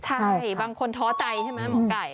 ใช่บางคนท้อใจใช่ไหมหมอไก่